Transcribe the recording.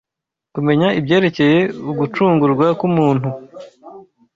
Kumenya ibyerekeye ugucungurwa k’umuntu